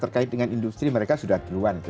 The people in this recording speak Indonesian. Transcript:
terkait dengan industri mereka sudah duluan